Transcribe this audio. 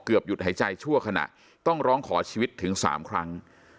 หยุดหายใจชั่วขณะต้องร้องขอชีวิตถึง๓ครั้ง